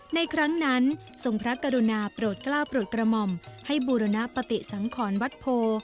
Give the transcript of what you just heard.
ในครั้งนั้นทรงพระกรุณาโปรดกล้าวโปรดกระหม่อมให้บูรณปฏิสังขรวัดโพ